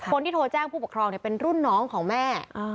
คนที่โทรแจ้งผู้ปกครองเป็นรุ่นน้องของแม่